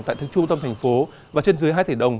tại thứ trung tâm thành phố và trên dưới hai tỷ đồng